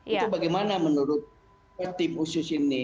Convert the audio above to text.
itu bagaimana menurut tim khusus ini